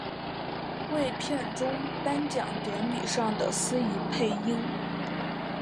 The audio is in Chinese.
为片中颁奖典礼上的司仪配音。